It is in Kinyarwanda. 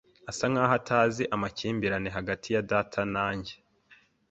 Asa nkaho atazi amakimbirane hagati ya data na njye.